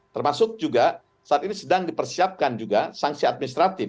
termasuk juga saat ini sedang dipersiapkan juga sanksi administratif